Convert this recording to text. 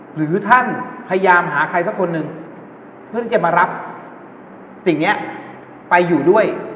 หรือท่านพยายามหาใครสักคนหนึ่งเพื่อที่จะมารับสิ่งนี้ไปอยู่ด้วย